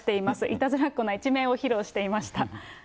いたずらっ子な一面を披露していました。